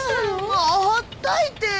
もうほっといて。